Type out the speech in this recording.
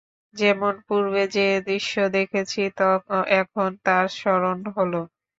যেমন পূর্বে যে দৃশ্য দেখেছি, এখন তার স্মরণ হল।